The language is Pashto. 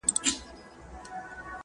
د ده سترګي سولې خلاصې ژوند یې سم سو.